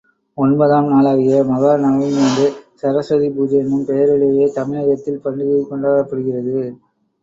ஒன்பதாம் நாளாகிய மகாநவமியன்று சரசுவதி பூசை என்னும் பெயரிலேயே தமிழகத்தில் பண்டிகை கொண்டாடப்படுகிறது.